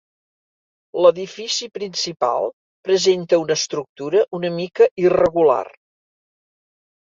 L'edifici principal presenta una estructura una mica irregular.